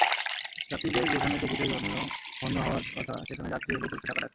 যাত্রীদের যেখানে টিকিটের জন্য হন্যে হওয়ার কথা, সেখানে যাত্রী এলেই চলছে ডাকাডাকি।